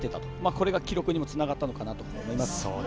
これが記録にもつながったかなと思います。